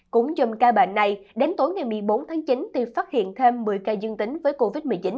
cũng dùng ca bệnh này đến tối ngày một mươi bốn tháng chín thì phát hiện thêm một mươi ca dương tính với covid một mươi chín